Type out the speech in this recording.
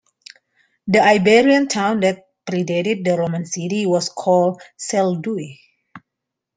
The Iberian town that predated the Roman city was called "Salduie".